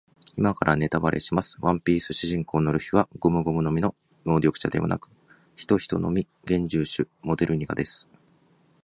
今からネタバレします。ワンピース主人公のルフィはゴムゴムの実の能力者ではなく、ヒトヒトの実幻獣種モデルニカです。